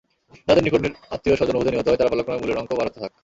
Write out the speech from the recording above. যাদের নিকট আত্মীয়-স্বজন উহুদে নিহত হয়, তারা পালাক্রমে মূল্যের অংক বাড়াতে থাক।